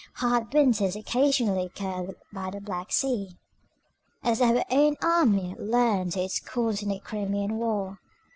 Hard winters occasionally occur by the Black Sea, as our own army learnt to its cost in the Crimean War.